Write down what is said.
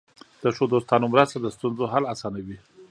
د ښو دوستانو مرسته د ستونزو حل اسانوي.